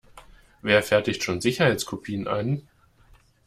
Wer fertigt schon Sicherheitskopien an?